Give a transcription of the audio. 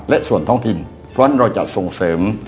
และส่วนท้องถิ่นเพราะฉะนั้นเราจะส่งเสริม